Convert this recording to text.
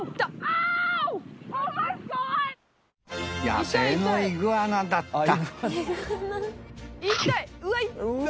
野生のイグアナだったＯｗ！